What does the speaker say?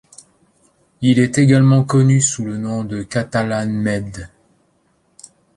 Il est également connu sous le nom de Catalanmède.